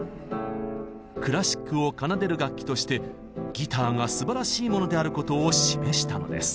クラシックを奏でる楽器としてギターがすばらしいものであることを示したのです。